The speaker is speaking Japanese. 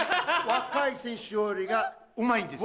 若い選手よりはうまいんです。